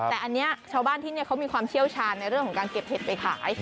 แต่อันนี้ชาวบ้านที่นี่เขามีความเชี่ยวชาญในเรื่องของการเก็บเห็ดไปขาย